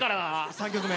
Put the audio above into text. ３曲目。